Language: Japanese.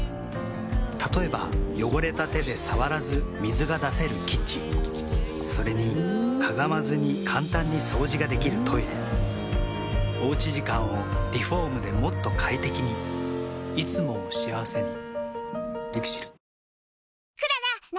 例えば汚れた手で触らず水が出せるキッチンそれにかがまずに簡単に掃除ができるトイレおうち時間をリフォームでもっと快適にいつもを幸せにＬＩＸＩＬ。